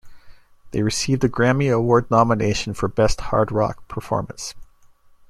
They received a Grammy Award nomination for Best Hard Rock Performance.